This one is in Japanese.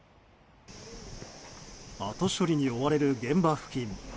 後処理に追われる現場付近。